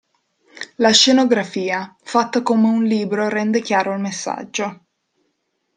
La scenografia, fatta come un libro rende chiaro il messaggio.